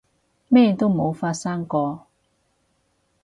咩都冇發生過